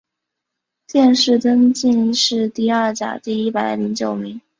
殿试登进士第二甲第一百零九名。